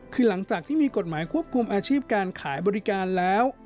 คือหลังจากที่มีกฎหมายควบคุมอาชีพการขายบริการแล้ว